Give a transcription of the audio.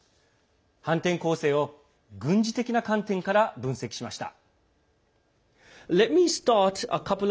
反転攻勢を軍事的な観点から分析しました。